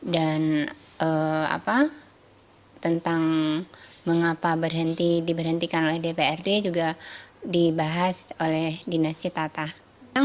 dan tentang mengapa diberhentikan oleh dprd juga dibahas oleh dinas cipta tata